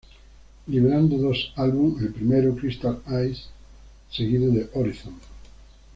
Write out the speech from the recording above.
Liberando dos álbum, el primero ""Crystal Eyes"", seguido de "Horizon".